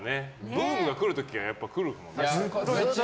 ゾーンが来る時はやっぱり来るもんね。